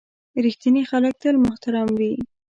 • رښتیني خلک تل محترم وي.